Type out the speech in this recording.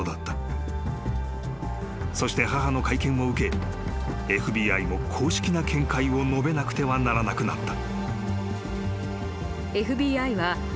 ［そして母の会見を受けＦＢＩも公式な見解を述べなくてはならなくなった］